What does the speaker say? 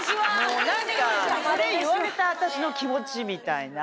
もう何かそれ言われた私の気持ちみたいな。